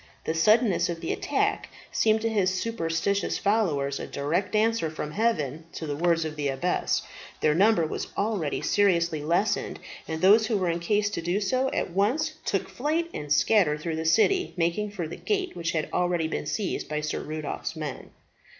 The suddenness of the attack seemed to his superstitious followers a direct answer from heaven to the words of the abbess. Their number was already seriously lessened, and those who were in case to do so at once took flight and scattered through the city, making for the gate, which had already been seized by Sir Rudolph's men.